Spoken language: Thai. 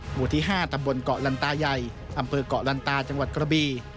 หมู่ที่๕ตำบลเกาะลันตาใหญ่อำเภอกเกาะลันตาจังหวัดกระบี